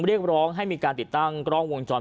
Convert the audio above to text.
เรียกร้องให้มีการติดตั้งกล้องวงจร